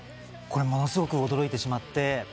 ものすごく驚いてしまって。